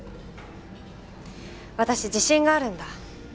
私自信があるんだ。